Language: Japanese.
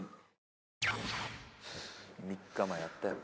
「３日前やったやった」